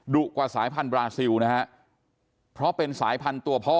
กว่าสายพันธุบราซิลนะฮะเพราะเป็นสายพันธุ์ตัวพ่อ